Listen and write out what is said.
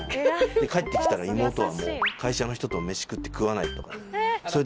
帰って来たら妹は会社の人と飯食って食わないとか。